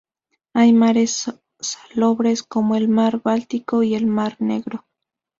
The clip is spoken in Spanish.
Hay mares salobres como el Mar báltico y el Mar negro.